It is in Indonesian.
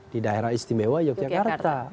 di daerah istimewa yogyakarta